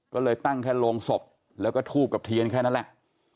ก็เลยตั้งแค่โรงศพแล้วก็ทูบกับเทียนแค่นั้นแหละ